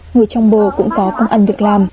người trong bờ cũng có công ăn được làm